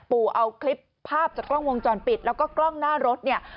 เอาคลิปภาพจากกล้องวงจรปิดแล้วก็กล้องหน้ารถเนี่ย